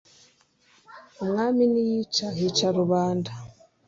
umwami ntiyica hica rubanda